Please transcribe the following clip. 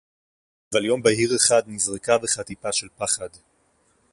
אבל יום בהיר אחד נזרקה בך טיפה של פחד…